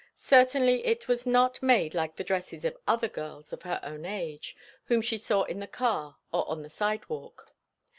Certainly it was not made like the dresses of other girls of her own age, whom she saw in the car or on the sidewalk.